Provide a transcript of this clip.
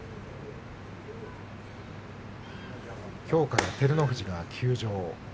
きょうから照ノ富士が休場。